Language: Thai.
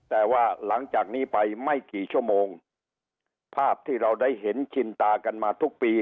แต่ว่าหลังจากนี้ไปไม่กี่ชั่วโมงภาพที่เราได้เห็นชินตากันมาทุกปี